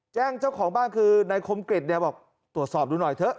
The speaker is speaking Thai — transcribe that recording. เจ้าของบ้านคือนายคมกริจเนี่ยบอกตรวจสอบดูหน่อยเถอะ